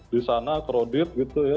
di sana kredit gitu ya